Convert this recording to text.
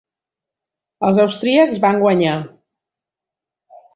Els austríacs van guanyar.